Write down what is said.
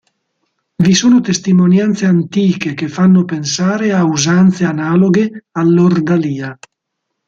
Vi sono testimonianze antiche che fanno pensare a usanze analoghe all'ordalia.